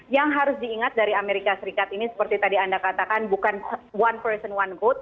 yang harus diingat dari amerika serikat ini seperti tadi anda katakan bukan one person one good